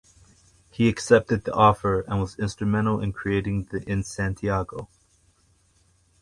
He accepted the offer and was instrumental in creating the in Santiago.